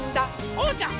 おうちゃん！